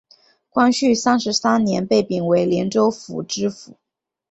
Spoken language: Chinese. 光绪三十三年被贬为廉州府知府。